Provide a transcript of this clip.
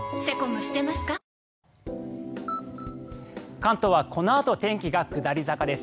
関東はこのあと天気が下り坂です。